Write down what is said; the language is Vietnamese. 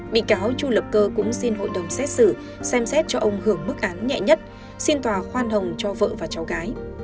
bị cáo chu lập cơ cũng xin hội đồng xét xử xem xét cho ông hưởng mức án nhẹ nhất xin tòa khoan hồng cho vợ và cháu gái